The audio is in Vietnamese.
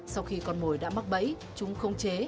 sau khi con mồi đã mắc bẫy chúng không chế